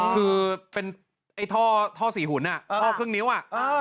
คือเป็นไอ้ท่อสี่หุ่นท่อครึ่งนิ้วอ่ะ